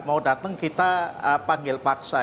mau datang kita panggil paksa